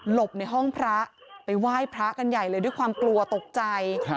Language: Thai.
บในห้องพระไปไหว้พระกันใหญ่เลยด้วยความกลัวตกใจ